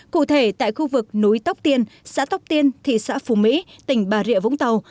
cụ thể tại khu vực núi tóc tiên xã tóc tiên thị xã phú mỹ tỉnh bà rịa vũng tàu